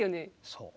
そう。